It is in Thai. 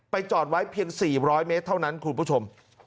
จอดไว้เพียง๔๐๐เมตรเท่านั้นคุณผู้ชม